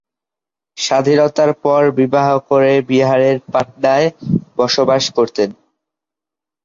স্বাধীনতার পর বিবাহ করে বিহারের পাটনায় বসবাস করতেন।